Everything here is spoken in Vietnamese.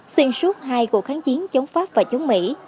xuyên suốt hai cuộc kháng chiến chống pháp và chống mỹ